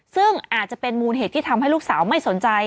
ซึ่งอาจจะเป็นมูลเหตุที่ทำให้ลูกสาวไม่สนใจ